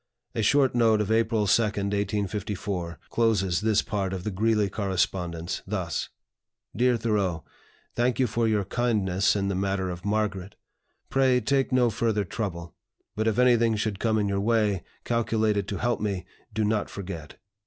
A short note of April 2, 1854, closes this part of the Greeley correspondence, thus: "DEAR THOREAU, Thank you for your kindness in the matter of Margaret. Pray take no further trouble; but if anything should come in your way, calculated to help me, do not forget.